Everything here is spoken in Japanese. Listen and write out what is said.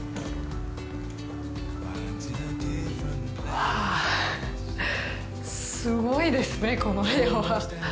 わぁすごいですね、この部屋は。